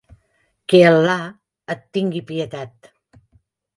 Que Al·là en tingui pietat.